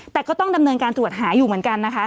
แต่ก็ต้องดำเนินการตรวจหาอยู่เหมือนกันนะคะ